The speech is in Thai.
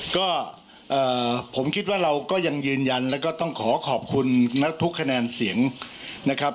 ก็ผมคิดว่าเราก็ยังยืนยันแล้วก็ต้องขอขอบคุณทุกคะแนนเสียงนะครับ